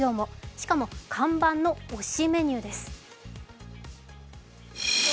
しかも看板の推しメニューです。